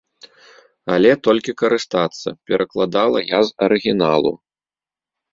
Але толькі карыстацца, перакладала я з арыгіналу.